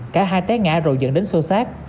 cả hai té ngã rồi dẫn đến sâu sát